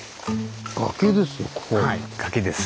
崖ですよ